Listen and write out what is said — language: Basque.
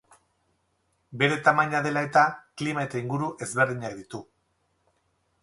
Bere tamaina dela eta klima eta inguru ezberdinak ditu.